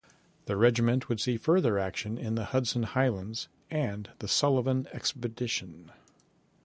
The regiment would see further action in the Hudson Highlands and the Sullivan Expedition.